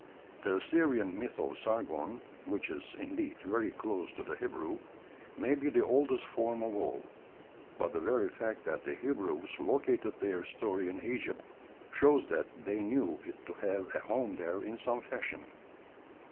The Assyrian myth of Sargon, which is, indeed, very close to the Hebrew, may be the oldest form of all; but the very fact that the Hebrews located their story in Egypt shows that they knew it to have a home there in some fashion.